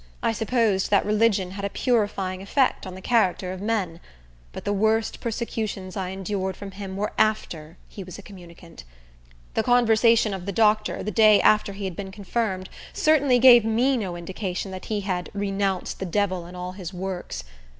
I supposed that religion had a purifying effect on the character of men; but the worst persecutions I endured from him were after he was a communicant. The conversation of the doctor, the day after he had been confirmed, certainly gave me no indication that he had "renounced the devil and all his works."